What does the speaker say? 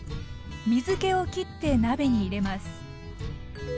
水けをきって鍋に入れます